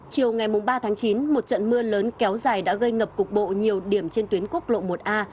chiều ngày ba tháng chín một trận mưa lớn kéo dài đã gây ngập cục bộ nhiều điểm trên tuyến quốc lộ một a